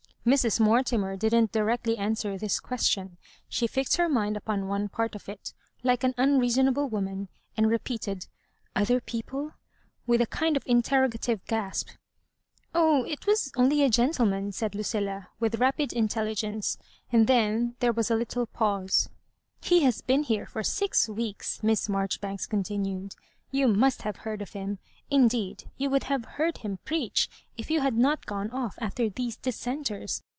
Mrs. Mortimer did not directly answer this question — she fixed her mind upon one part of it, like an unreasonable woman, and repeated ''Other people ?" with a kind of interrogative gasp. "Oh, it was only a gentleman," said Lucilla, with rapid intelligence ; and then there was a little pause. '' He has been here for six weeks," Miss Marjoribanks continued: ''you must have heard of him ; indeed you would have heard him preach if you had not gone off after these Dissenters.